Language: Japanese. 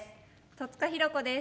戸塚寛子です。